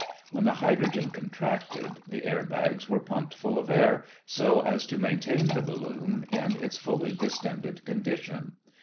When the hydrogen contracted, the air bags were pumped full of air so as to maintain the balloon in its fully distended condition.